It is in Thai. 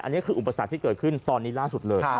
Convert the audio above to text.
อันนี้คืออุปสรรคที่เกิดขึ้นตอนนี้ล่าสุดเลย